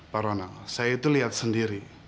pak ronald saya itu lihat sendiri